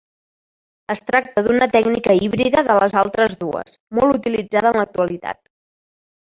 Es tracta d'una tècnica híbrida de les altres dues, molt utilitzada en l'actualitat.